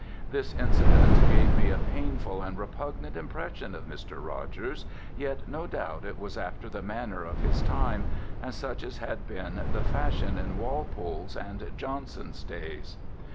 This incident gave me a painful and repugnant impression of Mr. Rogers, yet no doubt it was after the manner of his time, and such as had been the fashion in Walpole's and Johnson's days.